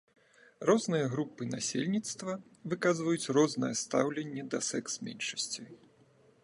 Розныя групы насельніцтва выказваюць рознае стаўленне да секс-меншасцей.